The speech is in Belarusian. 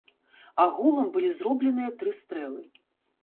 Агулам былі зробленыя тры стрэлы.